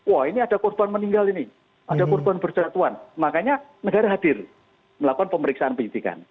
wah ini ada korban meninggal ini ada korban berjatuhan makanya negara hadir melakukan pemeriksaan penyidikan